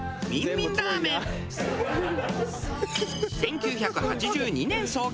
１９８２年創業。